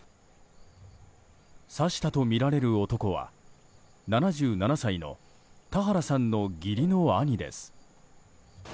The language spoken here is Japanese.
刺したとみられる男は７７歳の田原さんの義理の兄です。